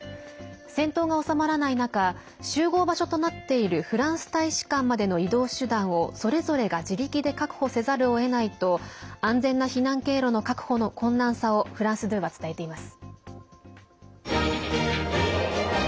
戦闘が収まらない中集合場所となっているフランス大使館までの移動手段をそれぞれが自力で確保せざるをえないと安全な避難経路の確保の困難さをフランス２は伝えています。